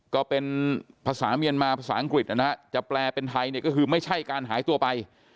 ก็เป็นภาษาเมียนมาภาษาอังกฤษนะฮะจะแปลเป็นไทยเนี่ยก็คือไม่ใช่การหายตัวไป